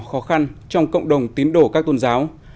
khó khăn trong cộng đồng tín đổ các tôn giáo